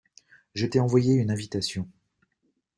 Je t'ai envoyé une invitation.